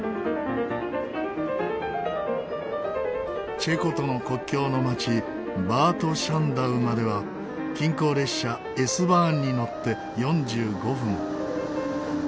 チェコとの国境の町バート・シャンダウまでは近郊列車Ｓバーンに乗って４５分。